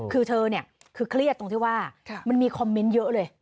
คือเธอเนี่ยคือเครียดตรงที่ว่ามันมีคอมเมนต์เยอะเลย